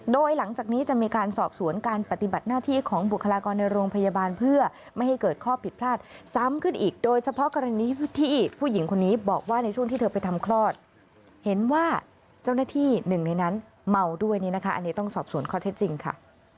โดยหลังจากนี้จะมีการสอบสวนการปฏิบัติหน้าที่ของบุคลากรในโรงพยาบาลเพื่อไม่ให้เกิดข้อผิดพลาดซ้ำขึ้นอีกโดยเฉพาะกรณีที่ผู้หญิงคนนี้บอกว่าในช่วงที่เธอไปทำคลอดเห็นว่าเจ้าหน้าที่หนึ่งในนั้นเมาด้วยนี่นะคะอันนี้ต้องสอบสวนข้อเท็จจริงค่ะ